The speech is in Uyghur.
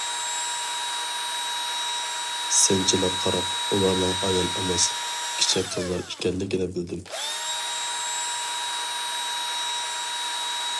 سىنچىلاپ قاراپ ئۇلارنىڭ ئايال ئەمەس، كىچىك قىزلار ئىكەنلىكىنى بىلدىم.